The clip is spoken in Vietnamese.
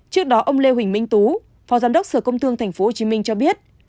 trước đó ông lê huỳnh minh tú phó giám đốc sở công thương tp hcm cho biết